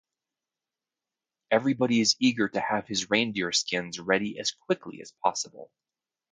Everybody is eager to have his reindeer-skins ready as quickly as possible.